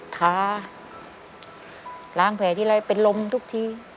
ท้าล้างแผลทีไรเป็นลมทุกที